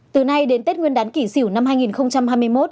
từ nay đến tết nguyên đán kỷ năm hai nghìn hai mươi một